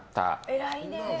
偉いね。